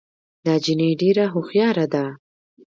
دا جینۍ ډېره هوښیاره ده